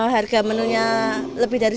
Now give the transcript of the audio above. harga menunya lebih dari sepuluh aos